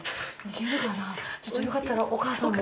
ちょっとよかったらお母さんも。